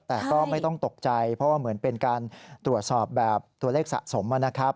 แต่ก็ไม่ต้องตกใจเพราะว่าเหมือนเป็นการตรวจสอบแบบตัวเลขสะสมนะครับ